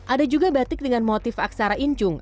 ada juga batik dengan motif aksara incung